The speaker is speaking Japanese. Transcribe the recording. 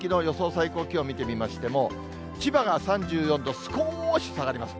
最高気温、見てみましても、千葉が３４度、少し下がります。